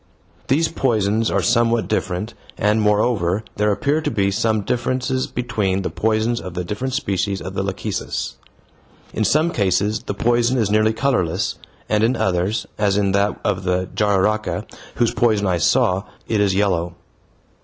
These poisons are somewhat different and moreover there appear to be some differences between the poisons of the different species of lachecis; in some cases the poison is nearly colorless, and in others, as in that of the jararaca, whose poison I saw, it is yellow.